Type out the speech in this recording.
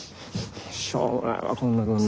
しょうもないわこんな訓練。